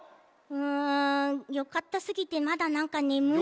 うんよかったすぎてまだなんかねむいな。